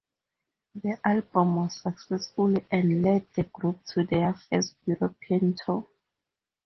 The album was successful and led the group to their first European tour.